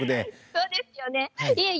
そうですよね。